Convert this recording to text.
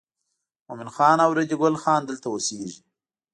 مومن خان او ریډي ګل خان دلته اوسېږي.